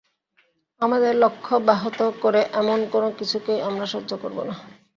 আমাদের লক্ষ্য ব্যাহত করে, এমন কোনো কিছুকেই আমরা সহ্য করব না।